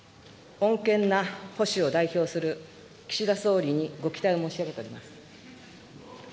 穏健な保守を代表する岸田総理にご期待申し上げております。